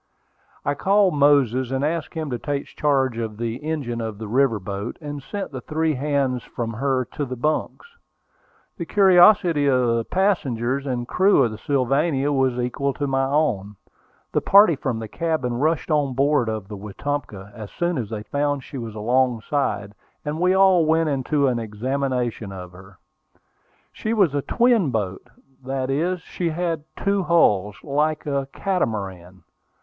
I called Moses, and asked him to take charge of the engine of the river boat, and sent the three hands from her to their bunks. The curiosity of the passengers and crew of the Sylvania was equal to my own. The party from the cabin rushed on board of the Wetumpka as soon as they found she was alongside, and we all went into an examination of her. She was a "twin boat:" that is, she had two hulls, like a "catamaran."